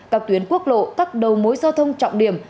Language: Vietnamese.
các tuyến quốc lộ các đầu mối giao thông trọng điểm